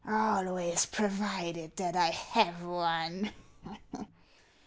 " Always provided that I have one.